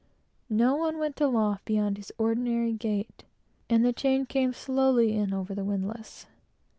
No one went aloft beyond his ordinary gait, and the chain came slowly in over the windlass.